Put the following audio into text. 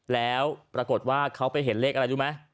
แล้วปรากฏว่าเขาไปเห็นเลขอะไรรู้ไหม